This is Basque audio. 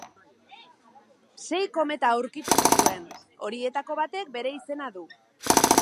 Sei kometa aurkitu zituen; horietako batek bere izena du.